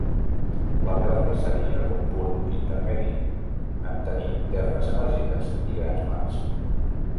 La Terra seria un punt intermedi en tenir terres emergides i grans mars.